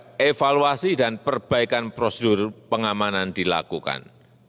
untuk mencoba evaluasi dan perbaikan prosedur pengamanan dilakukan